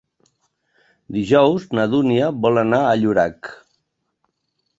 Dijous na Dúnia vol anar a Llorac.